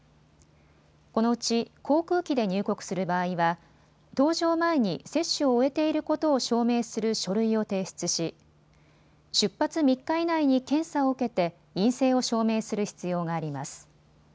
このうち航空機で入国する場合は搭乗前に接種を終えていることを証明する書類を提出し、出発３日以内に検査を受けて陰性を証明する必要があります。